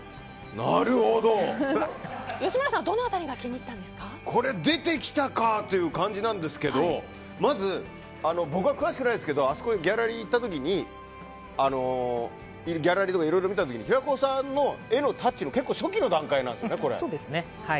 吉村さんは、どの辺りがこれ、出てきたかという感じなんですけどまず、僕は詳しくないですけどギャラリーとかいろいろ見た時に平子さんの絵のタッチの結構初期の段階なんですよね。